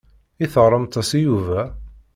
I teɣremt-as i Yuba?